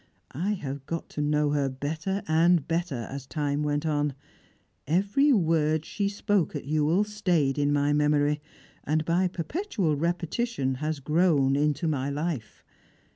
I have got to know her better and better, as time went on. Every word she spoke at Ewell stayed in my memory, and by perpetual repetition has grown into my life.